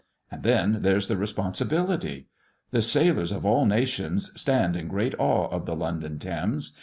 And then there's the responsibility! The sailors of all nations stand in great awe of the London Thames.